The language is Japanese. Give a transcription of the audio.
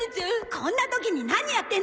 こんな時に何やってんだよ！